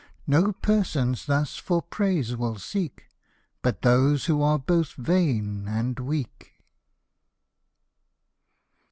No persons thus for praise will seek But those who are both vain and weak.